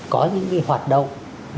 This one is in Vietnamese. có những cái hoạt động